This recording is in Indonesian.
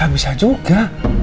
tak bisa juga